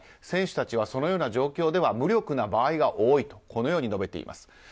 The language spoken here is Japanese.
選手たちはそのような状況では無力な場合が多いとこのように述べています。